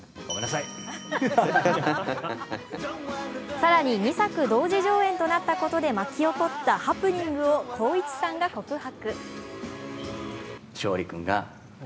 更に、２作同時上演となったことで巻き起こったハプニングを光一さんが告白。